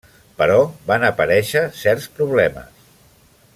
Però van aparèixer certs problemes.